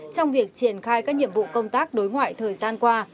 trong việc triển khai các nhiệm vụ công tác đối ngoại thời gian qua